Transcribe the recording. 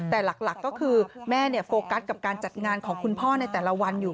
แต่หลักก็คือแม่โฟกัสกับการจัดงานของคุณพ่อในแต่ละวันอยู่